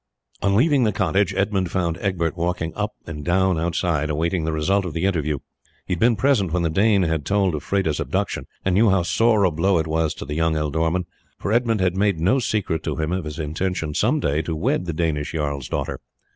On leaving the cottage Edmund found Egbert walking up and down outside awaiting the result of the interview. He had been present when the Dane had told of Freda's abduction, and knew how sore a blow it was to the young ealdorman, for Edmund had made no secret to him of his intention some day to wed the Danish jarl's daughter.